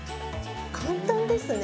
簡単ですね。